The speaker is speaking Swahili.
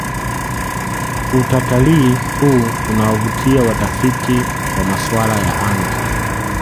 utatalii huu unawavutia watafiti wa maswala ya anga